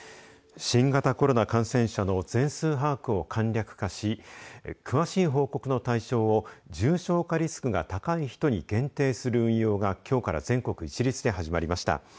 新型コロナ感染者の全数把握を簡略化し詳しい報告の対象を重症化リスクが高い人に限定する運用がきょうから全国一律で始まりました。